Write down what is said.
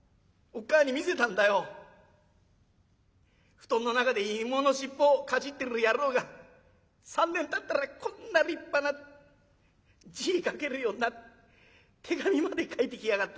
布団の中で芋の尻尾かじってる野郎が３年たったらこんな立派な字書けるようになって手紙まで書いてきやがった。